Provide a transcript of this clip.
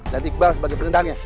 dan iqbal sebagai berendangnya